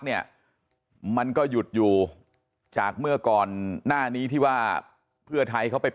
เนี่ยมันก็หยุดอยู่จากเมื่อก่อนหน้านี้ที่ว่าเพื่อไทยเขาไป